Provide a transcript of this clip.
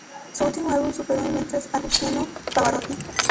Su último álbum superó en ventas al de Luciano Pavarotti.